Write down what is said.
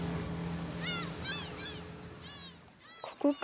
ここか。